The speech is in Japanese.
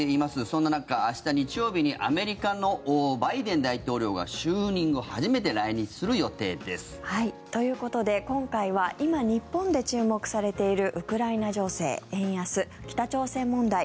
そんな中、明日日曜日にアメリカのバイデン大統領が就任後初めて来日する予定です。ということで今回は今、日本で注目されているウクライナ情勢、円安北朝鮮問題。